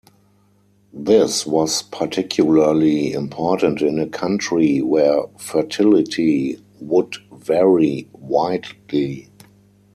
This was particularly important in a country where fertility would vary widely.